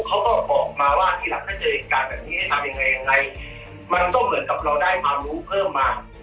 เขาก็บอกมาว่าที่หลังถ้าเจอเอกการแบบนี้ให้ทำยังไงมันต้องเหมือนกับเราได้ความรู้เพิ่มมาก